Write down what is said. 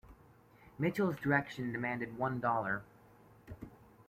Mitchell's direction, demanded one dollar.